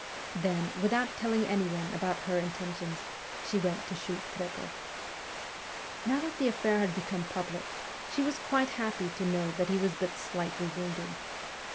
Then, without telling anyone about her intentions, she went to shoot Trepoff. Now that the affair had become public, she was quite happy to know that he was but slightly wounded.